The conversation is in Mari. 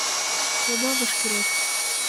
— На, на вашкерак...